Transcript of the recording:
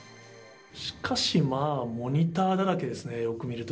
しかしまあモニターだらけですね、よく見ると。